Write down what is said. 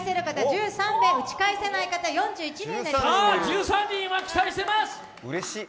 １３人は期待してます。